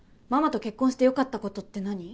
ママと結婚してよかったことって何？